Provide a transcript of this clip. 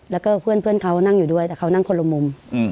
แล้วก็เพื่อนเขานั่งอยู่ด้วยแต่เขานั่งคนละมุม